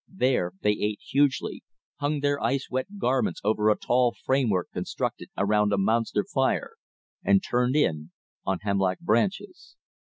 There they ate hugely, hung their ice wet garments over a tall framework constructed around a monster fire, and turned in on hemlock branches.